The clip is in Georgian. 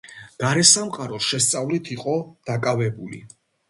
გარესამყაროს შესწავლით იყო დაკავებული.